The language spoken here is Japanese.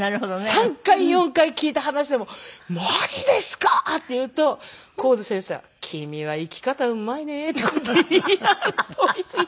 ３回４回聞いた話でも「マジですか！」って言うと神津先生は「君は生き方うまいね」っていう事言いながら通り過ぎていく。